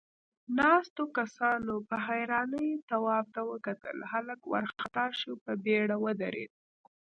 ناستو کسانوپه حيرانۍ تواب ته وکتل، هلک وارخطا شو، په بيړه ودرېد.